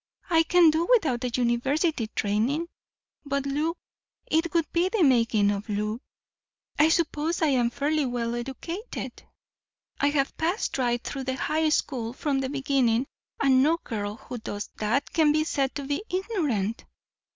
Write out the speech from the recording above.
I can do without the university training. But, Lew—it would be the making of Lew! I suppose I am fairly well educated. I have passed right through the high school from the beginning, and no girl who does that can be said to be ignorant.